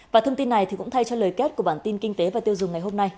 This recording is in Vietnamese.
và thông tin này cũng thay cho lời kết của bản tin kinh tế và tiêu dùng ngày hôm nay